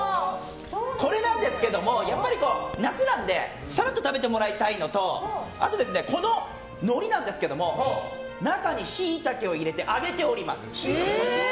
これなんですけども夏なのでさらっと食べてもらいたいのとあと、のりなんですけど中にシイタケを入れて揚げております。